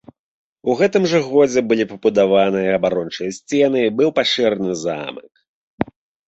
У гэтым жа годзе былі пабудаваныя абарончыя сцены і быў пашыраны замак.